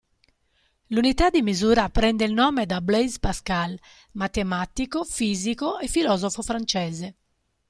L'unità di misura prende il nome da Blaise Pascal, matematico, fisico e filosofo francese.